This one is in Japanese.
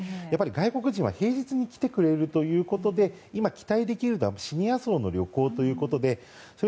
外国人は平日に来てくれるということで今、期待できるのはシニア層の旅行ということです。